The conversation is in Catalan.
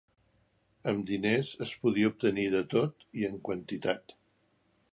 Amb diners, es podia obtenir de tot i en quantitat